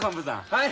はい！